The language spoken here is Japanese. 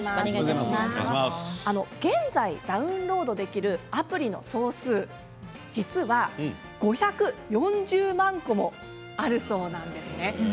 現在、ダウンロードできるアプリの総数実は５４０万個もあるそうなんです。